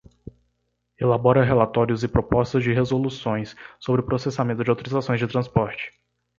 Elabora relatórios e propostas de resoluções sobre o processamento de autorizações de transporte.